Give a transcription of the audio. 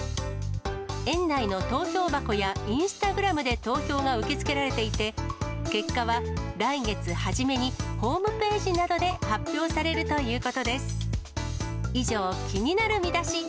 園内の投票箱やインスタグラムで投票が受け付けられていて、結果は来月初めにホームページなどで発表されるということです。